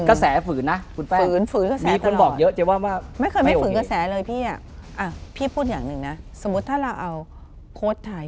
โค้ชไทยมีเภียบเลย